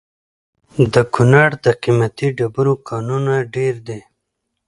د کونړ د قیمتي ډبرو کانونه ډیر دي؟